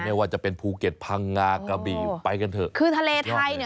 สวัสดีครับ